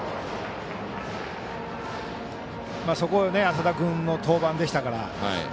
そこに浅田君の登板でしたから。